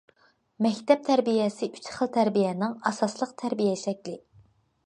مەكتەپ تەربىيەسى ئۈچ خىل تەربىيەنىڭ ئاساسلىق تەربىيە شەكلى.